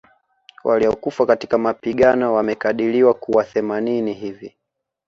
Waliokufa katika mapigano wamekadiriwa kuwa themanini hivi